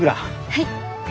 はい。